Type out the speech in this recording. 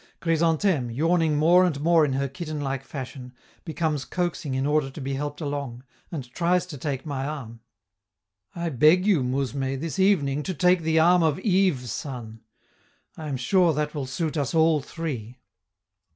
Chrysantheme, yawning more and more in her kitten like fashion, becomes coaxing in order to be helped along, and tries to take my arm. "I beg you, mousme, this evening to take the arm of Yves San; I am sure that will suit us all three."